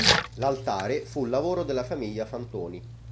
L'altare fu lavoro della famiglia Fantoni.